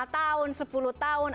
lima tahun sepuluh tahun